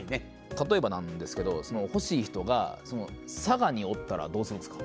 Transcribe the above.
例えばなんですけど欲しい人が佐賀におったらどうするんですか。